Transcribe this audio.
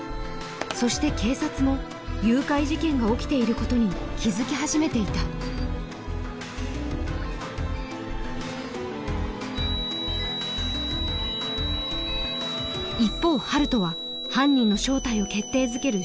そして警察も誘拐事件が起きていることに気づき始めていた一方温人は犯人の正体を決定づける